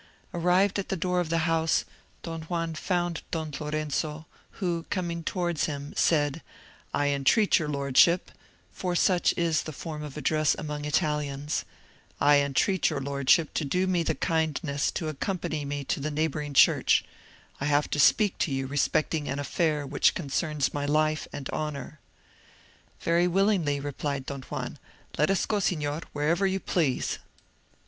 Arrived at the door of the house, Don Juan found Don Lorenzo, who, coming towards him, said, "I entreat your Lordship"—for such is the form of address among Italians—"I entreat your Lordship to do me the kindness to accompany me to the neighbouring church; I have to speak to you respecting an affair which concerns my life and honour." "Very willingly," replied Don Juan. "Let us go, Signor, wherever you please."